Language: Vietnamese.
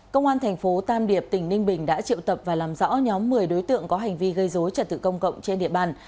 công an thành phố tam điệp tỉnh ninh bình đã triệu tập và làm rõ nhóm một mươi đối tượng có hành vi gây dối trật tự công cộng trên địa bàn